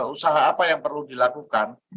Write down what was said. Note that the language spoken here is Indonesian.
usaha apa yang perlu dilakukan